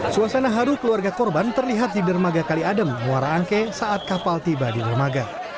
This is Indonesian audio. suasana haru keluarga korban terlihat di dermaga kali adem muara angke saat kapal tiba di dermaga